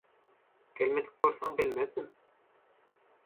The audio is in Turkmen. - Gelmedik bolsaň bilmezdim.